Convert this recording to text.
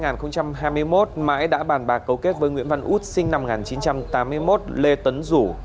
năm hai nghìn hai mươi một mãi đã bàn bạc cấu kết với nguyễn văn út sinh năm một nghìn chín trăm tám mươi một lê tấn rủ